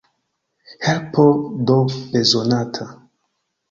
Helpo do bezonata!